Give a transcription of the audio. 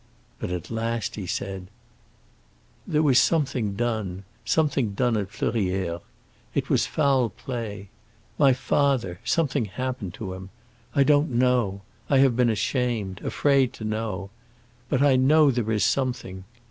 But at last he said,— "There was something done—something done at Fleurières. It was foul play. My father—something happened to him. I don't know; I have been ashamed—afraid to know. But I know there is something.